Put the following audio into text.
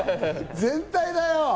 全体だよ！